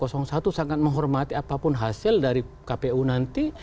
satu sangat menghormati apapun hasil dari kpu nanti